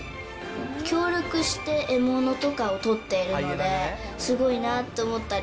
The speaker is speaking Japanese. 協力して獲物とかを取っているので、すごいなと思ったり。